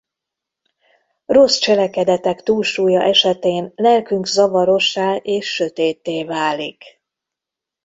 Rossz cselekedetek túlsúlya esetén lelkünk zavarossá és sötétté válik.